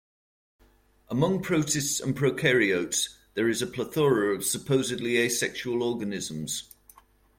Among protists and prokaryotes there is a plethora of supposedly asexual organisms.